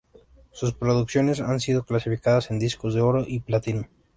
Sus producciones han sido clasificadas en discos de Oro y Platino.